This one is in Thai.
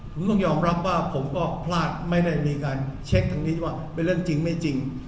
ผมก็รับย้อนรับว่าผมก็พลาดไม่ได้ทางนี้ว่าเป็นเรื่องจริงไม่จริง